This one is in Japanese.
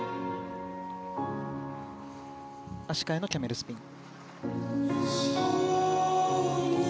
足換えのキャメルスピン。